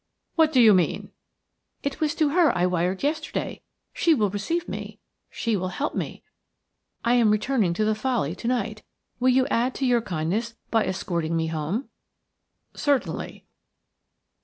"What do you mean?" "It was to her I wired yesterday. She will receive me; she will help me. I am returning to the Folly to night. Will you add to your kindness by escorting me home?" "Certainly."